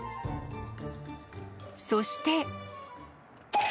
そして。